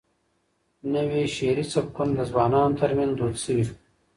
نوي شعري سبکونه د ځوانانو ترمنځ دود شوي.